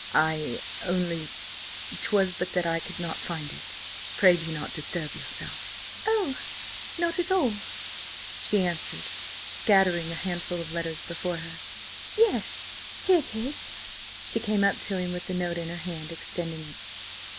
"I–only–'twas but that I could not find it. Pray do not disturb yourself!" "Oh–not–at all," she answered, scattering a handful of letters before her. "Yes–here 'tis." She came up to him with the note in her hand, extending it.